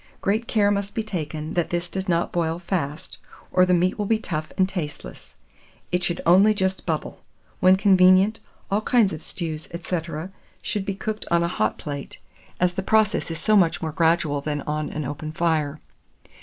Great care must be taken that this does not boil fast, or the meat will be tough and tasteless; it should only just bubble. When convenient, all kinds of stews, &c., should be cooked on a hot plate, as the process is so much more gradual than on an open fire.